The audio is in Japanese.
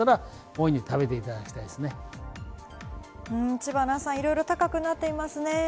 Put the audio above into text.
知花さん、いろいろ高くなっていますよね。